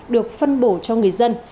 được phân bổ cho người dân